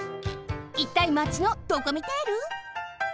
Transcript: いったいマチのドコミテール？